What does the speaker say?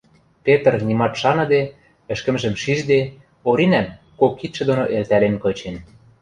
Петр, нимат шаныде, ӹшкӹмжӹм шижде, Оринӓм, кок кидшӹ доно элтӓлен кычен